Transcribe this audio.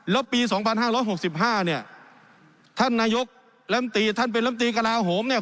แล้วปี๒๕๖๕เนี่ยท่านนายกลำตีท่านเป็นลำตีกระลาโหมเนี่ย